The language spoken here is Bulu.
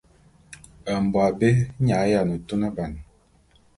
Mbo abé nye a yiane tuneban.